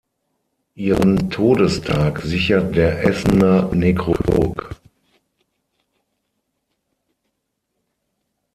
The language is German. Ihren Todestag sichert der Essener Nekrolog.